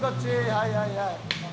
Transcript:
はいはいはい。